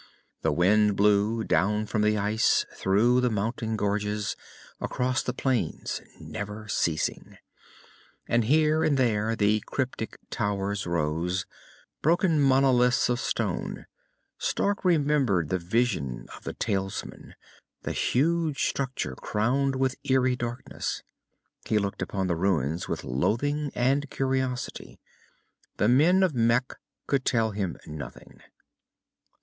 The wind blew, down from the ice, through the mountain gorges, across the plains, never ceasing. And here and there the cryptic towers rose, broken monoliths of stone. Stark remembered the vision of the talisman, the huge structure crowned with eerie darkness. He looked upon the ruins with loathing and curiosity. The men of Mekh could tell him nothing.